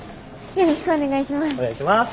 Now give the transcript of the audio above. よろしくお願いします。